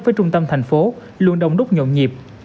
với trung tâm thành phố luôn đông đúc nhộn nhịp